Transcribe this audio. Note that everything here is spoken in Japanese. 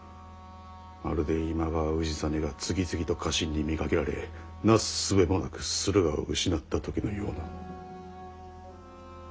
まるで今川氏真が次々と家臣に見限られなすすべもなく駿河を失った時のような。